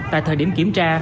tại thời điểm kiểm tra